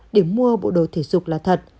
để mua bộ đồ thể dục là thật